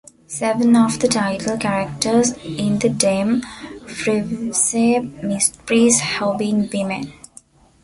Seven of the title characters in the Dame Frevisse mysteries have been women.